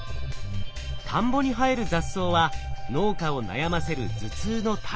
田んぼに生える雑草は農家を悩ませる頭痛の種。